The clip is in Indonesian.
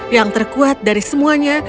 yang terkuat dari semuanya